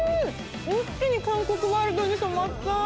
一気に韓国ワールドに染まった。